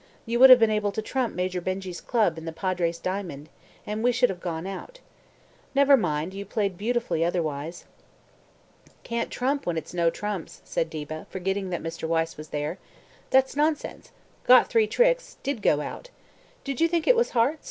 You would have been able to trump Major Benjy's club and the Padre's diamond, and we should have gone out. Never mind, you played it beautifully otherwise." "Can't trump when it's no trumps," said Diva, forgetting that Mr. Wyse was there. "That's nonsense. Got three tricks. Did go out. Did you think it was hearts?